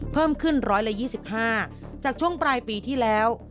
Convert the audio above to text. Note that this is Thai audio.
เพิ่มขึ้น๑๒๕จากช่วงปลายปีที่แล้ว